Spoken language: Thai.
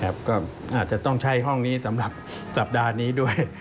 ก็อาจจะต้องใช้ห้องนี้สำหรับสัปดาห์นี้ด้วย